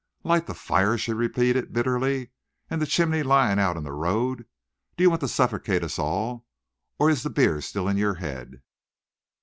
"Light the fire," she repeated bitterly, "and the chimney lying out in the road! Do you want to suffocate us all, or is the beer still in your head?